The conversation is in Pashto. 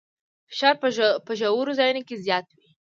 فشار په ژورو ځایونو کې زیات وي.